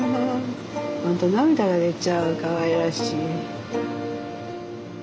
本当涙が出ちゃうかわいらしい。